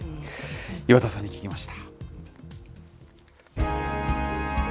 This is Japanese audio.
岩田さんに聞きました。